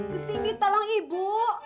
kesini tolong ibu